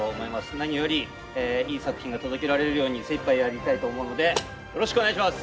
何よりいい作品が届けられるように精いっぱいやりたいと思うのでよろしくお願いします。